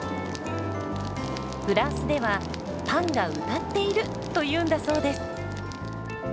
フランスでは「パンが歌っている！」というんだそうです。